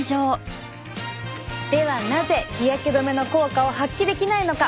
ではなぜ日焼け止めの効果を発揮できないのか。